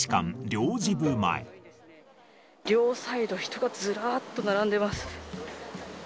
両サイド、人がずらっと並んでいます。